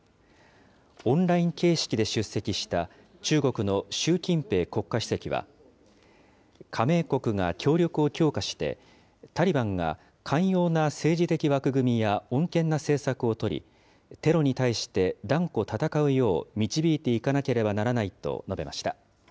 オンライン形式で出席した中国の習近平国家主席は、加盟国が協力を強化して、タリバンが寛容な政治的枠組みや穏健な政策を取り、テロに対して断固戦うよう導いていかなければならないと述べました。